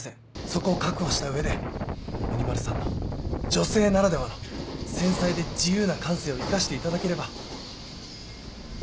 そこを確保した上で鬼丸さんの女性ならではの繊細で自由な感性を生かしていただければ。